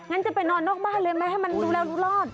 งั้นจะไปนอนนอกบ้านเลยไหมให้มันรู้แล้วรู้รอด